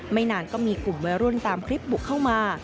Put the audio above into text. นานก็มีกลุ่มวัยรุ่นตามคลิปบุกเข้ามา